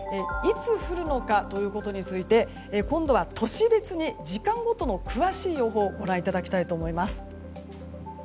いつ降るのかということについて今度は都市別に時間ごとの詳しい予報をご覧いただきたいと思います。